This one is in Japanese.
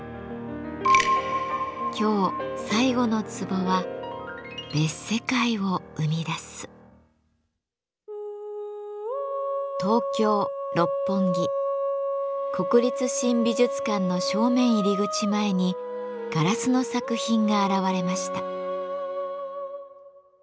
今日最後のツボは東京・六本木国立新美術館の正面入り口前にガラスの作品が現れました。